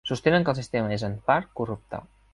Sostenen que el sistema és en part corrupte.